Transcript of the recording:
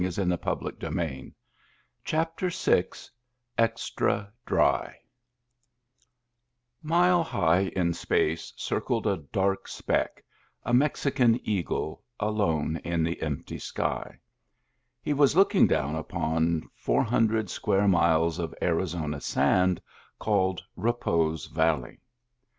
Digitized by Google VI EXTRA DRY • Mile high in space circled a dark speck, a Mexican eagle, alone in the empty sky. He was looking down upon four hundred square miles of Arizona sand, called Repose Valley.